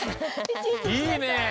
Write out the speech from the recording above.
いいね。